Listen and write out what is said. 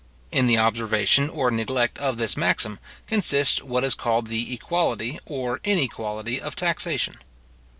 In the observation or neglect of this maxim, consists what is called the equality or inequality of taxation.